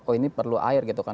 oh ini perlu air gitu kan